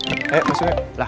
eh pak bos